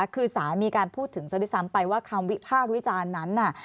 คือสารมีการพูดถึงซะด้วยซ้ำไปว่าคำวิพากษ์วิจารณ์นั้นน่ะ